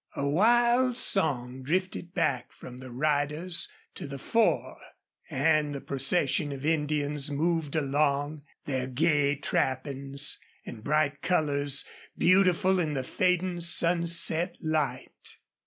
A wild song drifted back from the riders to the fore. And the procession of Indians moved along, their gay trappings and bright colors beautiful in the fading sunset light.